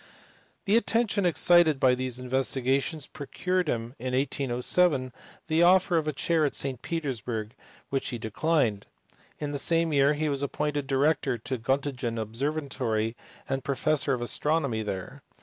The attention excited by these investigations procured for him in 1807 the offer of a chair at St Petersburg, which he declined. In the same year he was appointed director of the Gottingen observatory and professor of astronomy there.